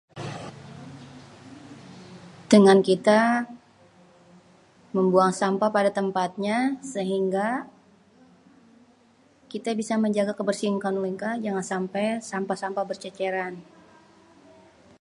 Dengan kita membuang sampeh kepada tempatnya sehingga kita bisa menjaga kebersihan lingkungan jangan sampai sampah-sampah berceceran.